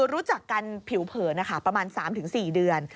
รู้จักกันผิวเผินประมาณ๓๔เดือน